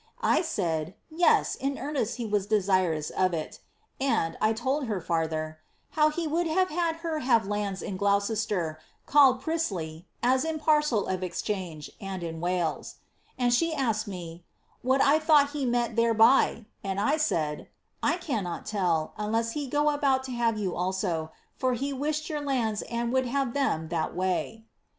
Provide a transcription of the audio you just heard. I ttid ^yes, in earnest he was desirous of it ;' and, I told her fiurther, ^ how be would have had her have lands in Gloucestershire, called Prisley, as in parcel of exchange, and in Wales ;' and she asked me, ^ what 1 thought be meant thereby r and I said, ^ I cannot tell, unless he go about to have yon also, for he wished your lands and would liave them that way.""